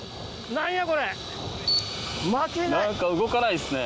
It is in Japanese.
何か動かないですね。